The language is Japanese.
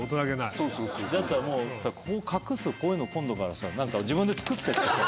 だったらもうさここ隠すこういうの今度からさ自分で作ってってさ。